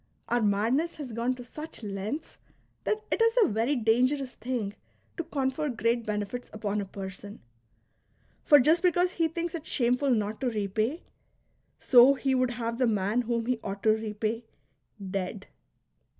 Our madness has gone to such lengths that it is a very dangerous thing to confer great benefits upon a person ; for just because he thinks it shameful not to repay, so he would have the man whom he ought to repay, dead.